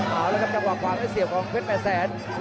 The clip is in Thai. เอาละครับจังหวังขวางแล้วเสียบของเพชรแม่แสน